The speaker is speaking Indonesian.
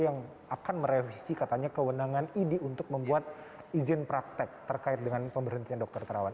yang akan merevisi katanya kewenangan idi untuk membuat izin praktek terkait dengan pemberhentian dokter terawan